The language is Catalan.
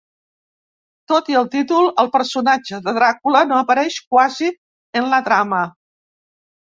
Tot i el títol, el personatge de Dràcula no apareix quasi en la trama.